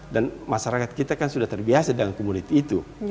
dan masyarakat kita kan sudah terbiasa dengan komunitas itu